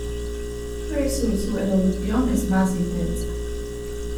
Por eso su evolución es más intensa.